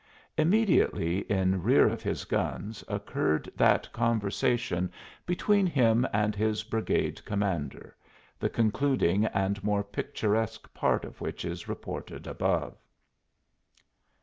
Immediately in rear of his guns occurred that conversation between him and his brigade commander, the concluding and more picturesque part of which is reported above.